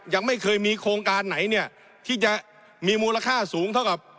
ยังไม่เคยมีโครงการไหนเนี่ยที่จะมีมูลค่าสูงเท่ากับ